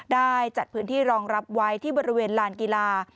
ได้จัดพื้นที่รองรับไว้ที่บริเวณลานกีฬา